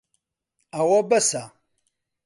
ئەوە بەسە.